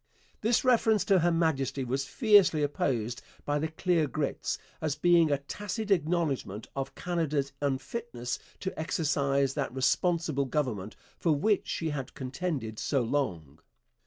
This reference to Her Majesty was fiercely opposed by the Clear Grits as being a tacit acknowledgment of Canada's unfitness to exercise that responsible government for which she had contended so long.